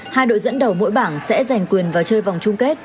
hai đội dẫn đầu mỗi bảng sẽ giành quyền và chơi vòng chung kết